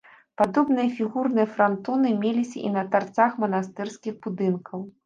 Падобныя фігурныя франтоны меліся і на тарцах манастырскіх будынкаў.